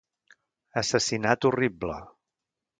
Assassinat horrible